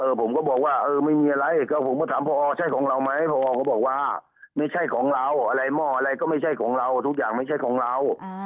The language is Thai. ผมก็บอกว่าเออไม่มีอะไรก็ผมก็ถามพอใช่ของเราไหมพอเขาบอกว่าไม่ใช่ของเราอะไรหม้ออะไรก็ไม่ใช่ของเราทุกอย่างไม่ใช่ของเรา